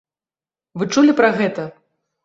Вы чулі пра гэта?